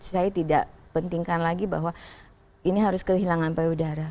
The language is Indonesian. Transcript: saya tidak pentingkan lagi bahwa ini harus kehilangan payudara